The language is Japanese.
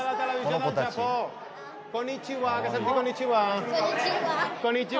こんにちは。